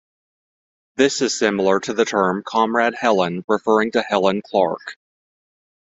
This is similar to the term "Comrade Helen", referring to Helen Clark.